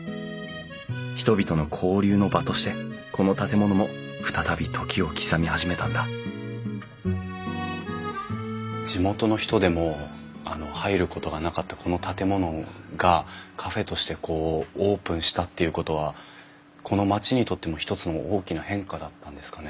人々の交流の場としてこの建物も再び時を刻み始めたんだ地元の人でも入ることがなかったこの建物がカフェとしてオープンしたっていうことはこの町にとっても一つの大きな変化だったんですかね。